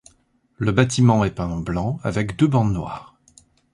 Le bâtiment est peint en blanc avec deux bandes noires.